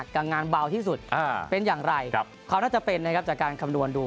ก็เป็นนะครับจากการคำนวณดู